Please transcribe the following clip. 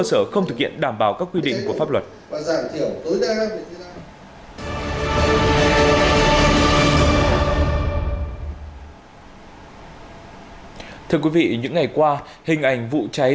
sở không thực hiện đảm bảo các quy định của pháp luật thưa quý vị những ngày qua hình ảnh vụ cháy